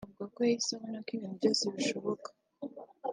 Avuga ko yahise abona ko ibintu byose bishoboka